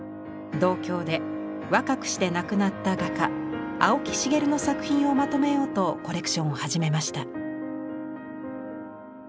同郷で若くして亡くなった画家青木繁の作品をまとめようとコレクションを始めました。